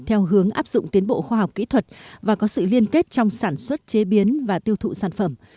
theo hướng áp dụng tiến bộ khoa học kỹ thuật và có sự liên kết trong sản xuất chế biến và tiêu thụ sản phẩm